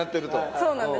そうなんです。